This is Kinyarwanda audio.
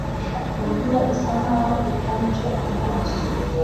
Imvura isa nkaho ukonje amaso